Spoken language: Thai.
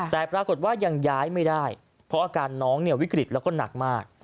แต่ปรากฏว่ายังย้ายไม่ได้เพราะอาการน้องเนี่ยวิกฤตแล้วก็หนักมาก